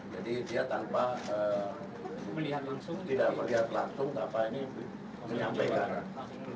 jadi dia tanpa melihat langsung menyampaikan